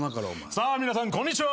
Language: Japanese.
さあ皆さんこんにちは！